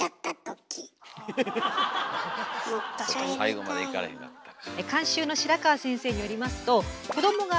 最後までいかれへんかったか。